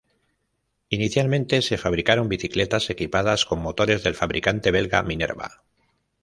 Inicialmente, se fabricaron bicicletas equipadas con motores del fabricante belga Minerva.